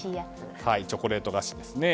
チョコレート菓子ですね。